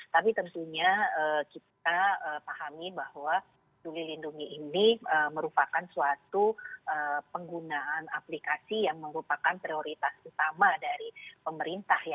tapi tentunya kita pahami bahwa peduli lindungi ini merupakan suatu penggunaan aplikasi yang merupakan prioritas utama dari pemerintah ya